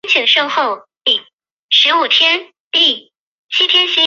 默尔敦星孔珊瑚为轴孔珊瑚科星孔珊瑚下的一个种。